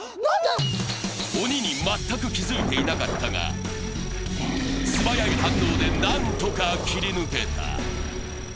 鬼に全く気づいていなかったが素早い反応で何とか切り抜けた。